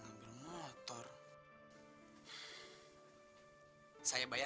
fatima mah kakak saya pak